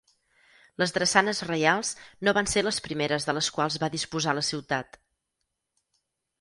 Les drassanes reials no van ser les primeres de les quals va disposar la ciutat.